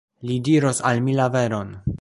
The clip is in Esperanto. Li diros al mi la veron.